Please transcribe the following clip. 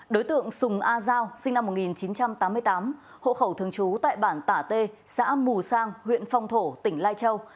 đối tượng sùng a giao sinh năm một nghìn chín trăm tám mươi tám hộ khẩu thường trú tại bản tả t xã mù sang huyện phong thổ tỉnh lai châu